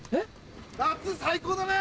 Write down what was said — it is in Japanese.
夏最高だね！